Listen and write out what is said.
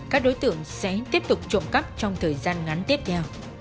các đối tượng sẽ tiếp tục trộm cắp trong thời gian ngắn tiếp theo